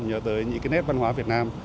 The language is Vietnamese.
nhớ tới những nét văn hóa việt nam